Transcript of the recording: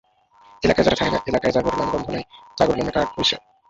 এলাকায় যারা থাহে না, এলাকায় যাগর নাম-গন্ধ নাই, তাগর নামে কার্ড অইছে।